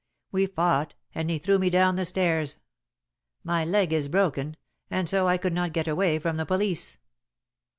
We fought, and he threw me down the stairs. My leg is broken, and so I could not get away from the police.